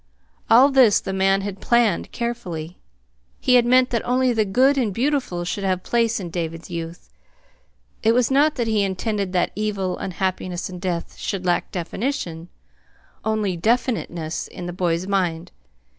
All this the man had planned carefully. He had meant that only the good and beautiful should have place in David's youth. It was not that he intended that evil, unhappiness, and death should lack definition, only definiteness, in the boy's mind.